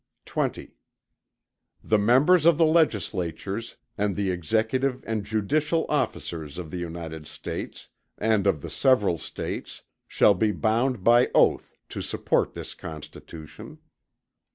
XX The Members of the Legislatures, and the executive and judicial officers of the United States, and of the several States, shall be bound by oath to support this Constitution.